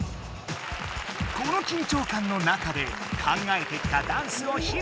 この緊張感の中で考えてきたダンスをひろうする！